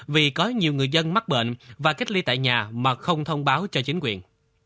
vì có nhiều người dân mắc bệnh và kết lý tại nhà mà không thông báo cho chính quyền